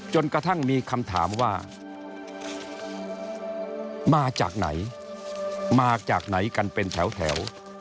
จนกระทั่งมีคำถามว่ามาจากไหนมาจากไหนกันเป็นแถว